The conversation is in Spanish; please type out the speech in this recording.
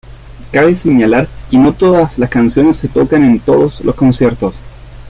Cabe señalar que no todas las canciones se tocan en todos los conciertos.